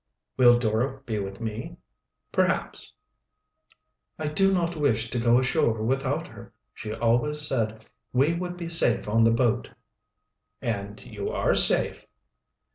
"Will Dora be with me?" "Perhaps." "I do not wish to go ashore without her. She always said we would be safe on the boat." "And you are safe."